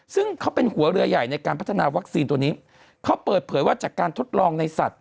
ซึ่งเขาเป็นหัวเรือใหญ่ในการพัฒนาวัคซีนตัวนี้เขาเปิดเผยว่าจากการทดลองในสัตว